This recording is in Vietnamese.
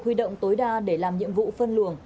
huy động tối đa để làm nhiệm vụ phân luồng